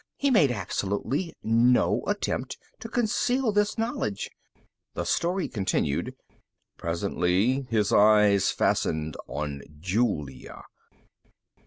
He made absolutely no attempt to conceal this knowledge. The story continued: _... presently his eyes fastened on Julia.